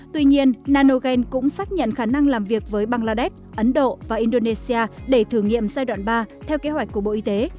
tuy nhiên nanogen cũng xác nhận khả năng làm việc với bangladesh ấn độ và indonesia để thử nghiệm giai đoạn ba theo kế hoạch của bộ y tế